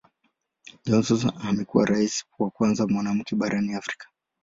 Johnson amekuwa Rais wa kwanza mwanamke barani Afrika.